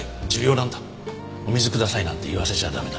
「お水ください」なんて言わせちゃ駄目だ。